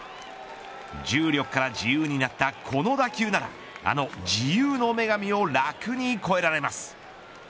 重力から自由になったこの打球ならあの自由の女神を楽に越えられます。